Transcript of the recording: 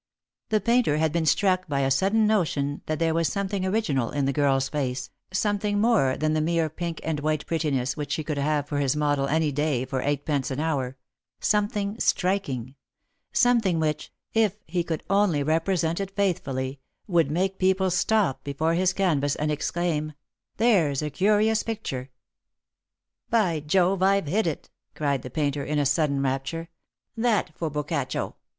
The painter had been struck by a sudden notion that there 60 Lost for Love. was sometniug original in the girl's face— something more than the mere pink and white prettrness which he could have for his model any day for eighteenpence an hour; something striking; something which — if he could only represent it faithfully — would make people stop before his canvas and exclaim, "There's a curious picture !"" By Jove, I've hit it !" cried the painter, in a sudden rapture. "That for Boccaccio!"